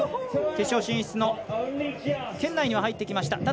決勝進出の圏内には入ってきました。